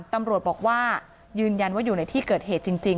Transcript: ตำรวจบอกว่ายืนยันว่าอยู่ในที่เกิดเหตุจริง